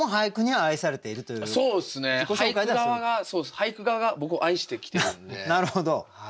俳句側が僕を愛してきてるんで。